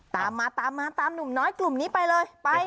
ตามมาตามมาตามหนุ่มน้อยกลุ่มนี้ไปเลยไป